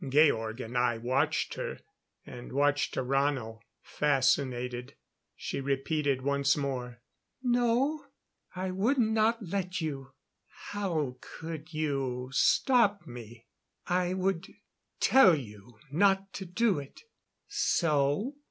Georg and I watched her and watched Tarrano fascinated. She repeated once more: "No. I would not let you." "How could you stop me?" "I would tell you not to do it." "So?"